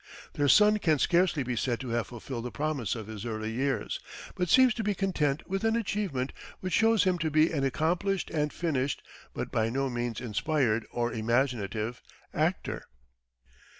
Their son can scarcely be said to have fulfilled the promise of his early years, but seems to be content with an achievement which shows him to be an accomplished and finished, but by no means inspired or imaginative, actor.